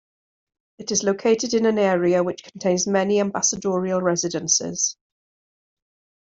It is located in an area which contains many ambassadorial residences.